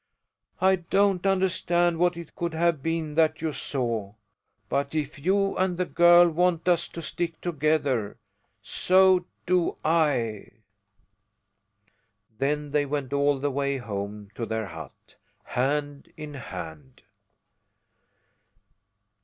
"I don't understand what it could have been that you saw, but if you and the girl want us to stick together, so do I." Then they went all the way home to their hut, hand in hand.